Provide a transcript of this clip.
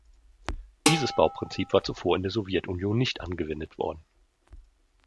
Dieses Bauprinzip war zuvor in der Sowjetunion nicht angewendet worden.